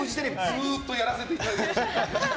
ずっとやらせていただいてます。